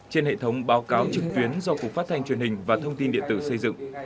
trên hệ thống báo cáo trực tuyến do cục phát thanh truyền hình và thông tin điện tử xây dựng